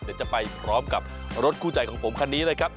เดี๋ยวจะไปพร้อมกับรถคู่ใจของผมคันนี้นะครับ